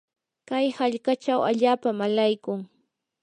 kay hallqachaw allaapam alaykun.